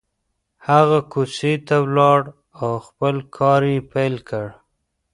هغه کوڅې ته ولاړ او خپل کار يې پيل کړ.